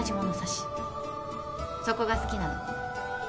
そこが好きなの